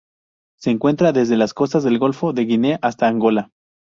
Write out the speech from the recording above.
Se encuentra desde las costas del Golfo de Guinea hasta Angola.